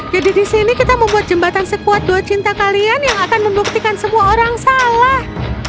jadi di sini kita membuat jembatan sekuat doa cinta kalian yang akan membuktikan semua orang salah